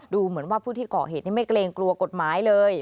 ดูเหมือนว่าผู้ที่ก่อเหตุนี้ไม่เกรงกลัวกฎหมายเลย